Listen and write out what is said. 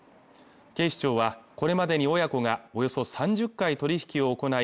警視庁はこれまでに親子がおよそ３０回取引を行い